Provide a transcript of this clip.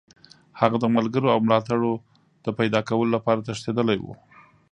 هغه د ملګرو او ملاتړو د پیداکولو لپاره تښتېدلی وو.